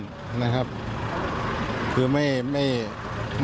แค่เรื่องของปฏิหิตอันตรายเที่ยว